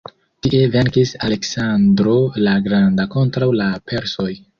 Tie venkis Aleksandro la Granda kontraŭ la persoj.